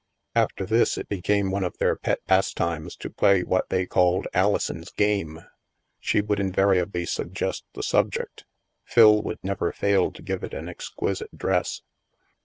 After this, it became one of their pet pastimes to play what they called Alison's " game." She would invariably suggest the subject ; Phil would never fail to give it an exquisite dress.